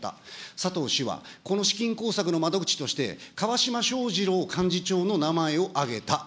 佐藤氏は、この資金工作の窓口として、川島正次郎幹事長の名前を挙げた。